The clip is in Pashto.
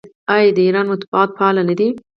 آیا د ایران مطبوعات فعال نه دي؟